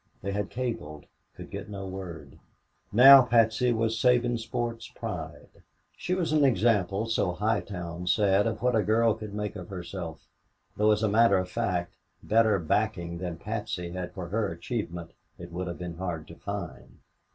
They had cabled could get no word. Now Patsy was Sabinsport's pride. She was an example, so High Town said, of what a girl could make of herself, though as a matter of fact better backing than Patsy had for her achievement it would be hard to find.